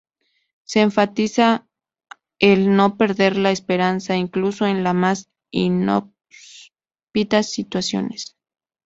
Se enfatiza el no perder las esperanzas, incluso en las más inhóspitas situaciones.